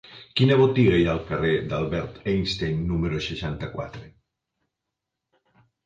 Quina botiga hi ha al carrer d'Albert Einstein número seixanta-quatre?